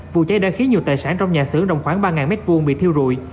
vụ cháy đã khiến nhiều tài sản trong nhà xưởng rộng khoảng ba m hai bị thiêu rụi